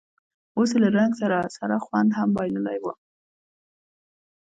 اوس یې له رنګ سره سره خوند هم بایللی و.